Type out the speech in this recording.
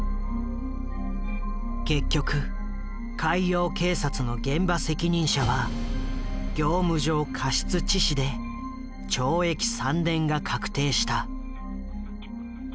結局海洋警察の現場責任者は業務上過失致死で懲役３年が確定した。